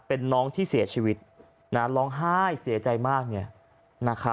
เป็นน้องที่เสียชีวิตร้องไห้เสียใจมาก